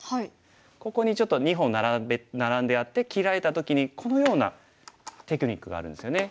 ここにちょっと２本ナラんであって切られた時にこのようなテクニックがあるんですよね。